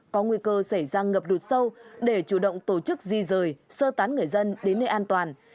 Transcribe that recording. có nguy cơ xảy ra ngập lụt sâu để chủ động tổ chức di rời sơ tán người dân đến nơi an toàn